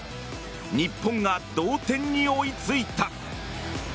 日本が同点に追いついた。